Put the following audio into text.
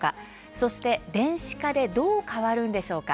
そして、電子化でどう変わるのでしょうか。